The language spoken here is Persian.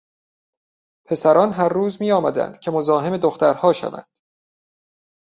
پسران هر روز میآمدند که مزاحم دخترها شوند.